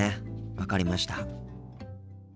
分かりました。